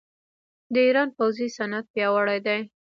د ایران پوځي صنعت پیاوړی دی.